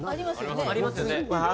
ありますね。